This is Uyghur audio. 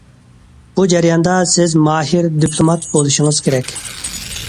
بۇ جەرياندا سىز ماھىر دىپلومات بولۇشىڭىز كېرەك.